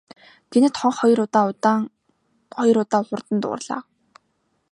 Гэнэт хонх хоёр удаа удаан, хоёр удаа хурдан дуугарлаа.